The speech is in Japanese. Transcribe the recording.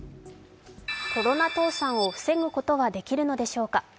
コロナ倒産を防ぐことができるのでしょうか。